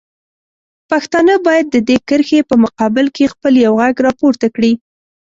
پښتانه باید د دې کرښې په مقابل کې خپل یو غږ راپورته کړي.